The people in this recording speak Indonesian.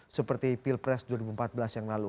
seperti pilpres dua ribu empat belas yang lalu